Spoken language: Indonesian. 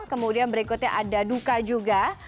kemudian berikutnya ada duka juga